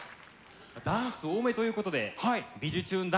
ダンス多めということで「びじゅチューン！」